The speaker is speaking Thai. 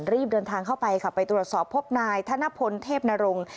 รีบเดินทางเข้าไปค่ะไปตรวจสอบพบนายธนพลเทพนรงค์